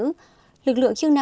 lực lượng chức năng hiện nay